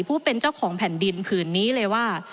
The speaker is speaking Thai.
ผู้เป็นเจ้าของแผ่นดินผืนนี้เลยว่า